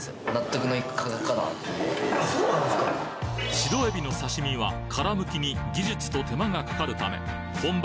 白えびの刺身は殻むきに技術と手間がかかるため本場